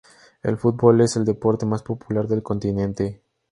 El fútbol es el deporte más popular del continente.